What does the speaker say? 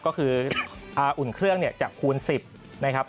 ก็คืออุ่นเครื่องจากคูณ๑๐นะครับ